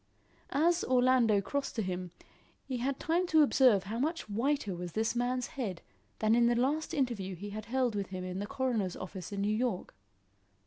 As Orlando crossed to him, he had time to observe how much whiter was this man's head than in the last interview he had held with him in the coroner's office in New York.